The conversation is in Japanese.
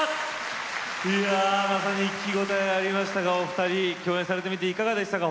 いやまさに聴き応えありましたがお二人共演されてみていかがでしたか？